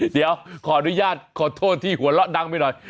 เดี๋ยวขออนุญาตขอโทษที่หัวเราะดังไปหน่อย